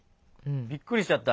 びっくりしちゃった。